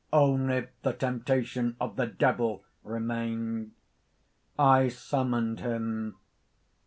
"Only the temptation of the Devil remained! "I summoned him.